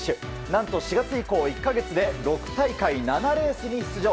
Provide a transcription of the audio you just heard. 何と、４月以降１か月で６大会７レースに出場。